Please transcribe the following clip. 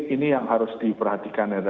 ini yang harus diperhatikan